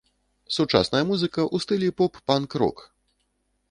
Сучасная музыка ў стылі поп-панк-рок.